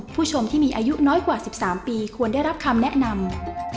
ผู้ชมที่มีอายุน้อยกว่า๑๓ปีควรได้รับคำแนะนำ